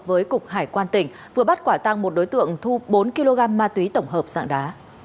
với cục hải quan tỉnh vừa bắt quả tăng một đối tượng thu bốn kg ma túy tổng hợp dạng đá